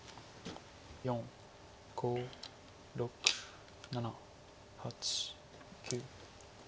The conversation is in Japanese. ４５６７８９。